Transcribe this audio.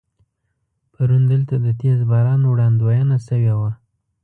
پرون دلته د تیز باران وړاندوينه شوې وه.